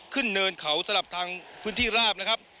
ขึ้นเนินเขาสลับทางพื้นที่ราบนะครับ